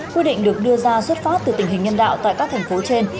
quyết định được đưa ra xuất phát từ tình hình nhân đạo tại các thành phố trên